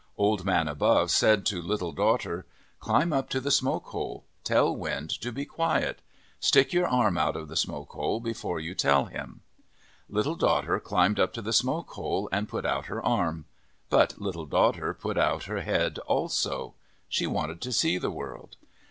Old Man Above said to Little Daughter :" Climb up to the smoke hole. Tell Wind to be quiet. Stick your arm out of the smoke hole before you tell him." Little Daughter climbed up to the smoke hole and put out her arm. But Little Daughter put out her head also. She wanted to see the world.